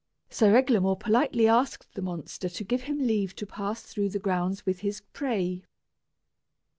Sir Eglamour politely asked the monster to give him leave to pass through the grounds with his prey.